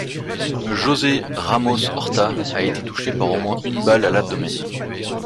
José Ramos-Horta a été touché par au moins une balle à l'abdomen.